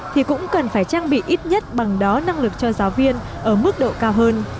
thì cũng cần phải trang bị ít nhất bằng đó năng lực cho giáo viên ở mức độ cao hơn